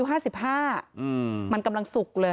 สวัสดีคุณผู้ชายสวัสดีคุณผู้ชาย